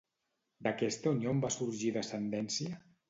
D'aquesta unió en va sorgir descendència?